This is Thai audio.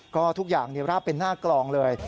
ก็ทุกอย่างราบเป็นหน้ากลองเลย